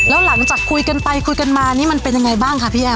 แล้วหลังจากคุยกันไปคุยกันมานี่มันเป็นยังไงบ้างคะพี่แอร์